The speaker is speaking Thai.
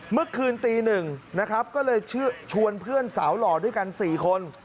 เมื่อคืนตี๑นะครับก็เลยชวนเพื่อนสาวหล่อด้วยกัน๔คน